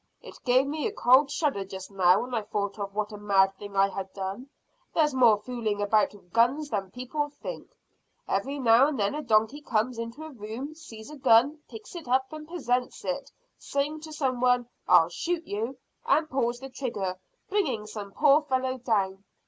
"It gave me a cold shudder just now when I thought of what a mad thing I had done. There's more fooling about with guns than people think. Every now and then a donkey comes into a room, sees a gun, picks it up, and presents it, saying to some one, `I'll shoot you,' and pulls the trigger, bringing some poor fellow down.